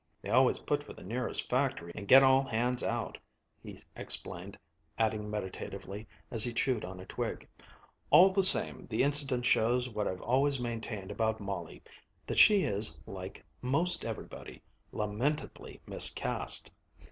"They always put for the nearest factory and get all hands out," he explained, adding meditatively, as he chewed on a twig: "All the same, the incident shows what I've always maintained about Molly: that she is, like 'most everybody, lamentably miscast.